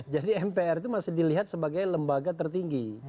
jadi mpr itu masih dilihat sebagai lembaga tertinggi